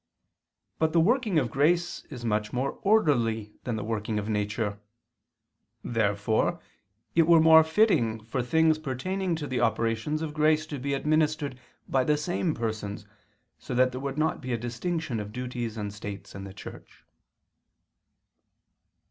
But the working of grace is much more orderly than the working of nature. Therefore it were more fitting for things pertaining to the operations of grace to be administered by the same persons, so that there would not be a distinction of duties and states in the Church.